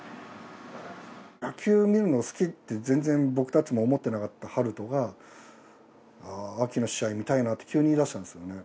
野球を見るの好きって全然、僕たちも思ってなかった晴斗が、あきの試合見たいなって急に言い出したんですよね。